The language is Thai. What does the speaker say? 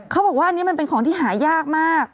เขาบอกว่าอันนี้มันเป็นของที่หายากมาก